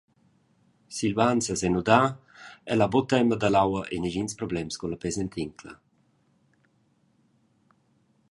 Silvan sa senudar, el ha buca tema dalla aua e negins problems culla pesentincla.